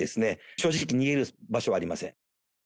正直、逃げる場所はありません。